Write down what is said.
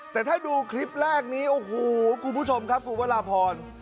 แต่ถ้าดูคลิปแรกนี้โอ้โหคุณผู้ชมครับคุณวราพร